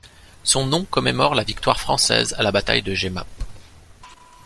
Son nom commémore la victoire française à la bataille de Jemappes.